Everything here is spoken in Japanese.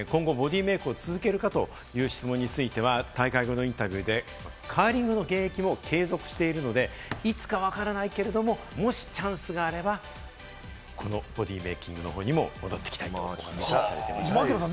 今後、ボディメイクを続けるかという質問に関しては、大会後のインタビューでカーリングの現役も継続しているので、いつかわからないけれども、もしチャンスがあれば、このボディメイキングの方に戻ってきたいとおっしゃっていました。